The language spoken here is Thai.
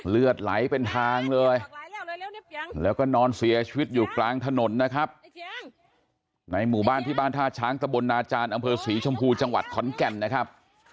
เลือดไหลเป็นทางเลยแล้วก็นอนเสียชีวิตอยู่กลางถนนนะครับในหมู่บ้านที่บ้านท่าช้างตะบลนาจารย์อำเภอศรีชมพูจังหวัดขอนแก่นนะครับ